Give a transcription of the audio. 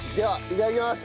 いただきます。